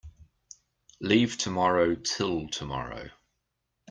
Leave tomorrow till tomorrow.